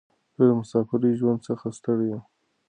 زه د مساپرۍ ژوند څخه ستړی یم.